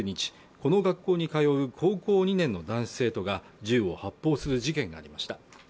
この学校に通う高校２年の男子生徒が銃を発砲する事件がありました